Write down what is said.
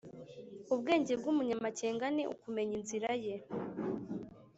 ubwenge bw’umunyamakenga ni ukumenya inzira ye